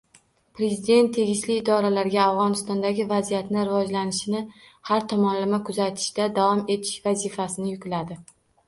Prezident tegishli idoralarga Afg‘onistondagi vaziyatning rivojlanishini har tomonlama kuzatishda davom etish vazifasini yukladi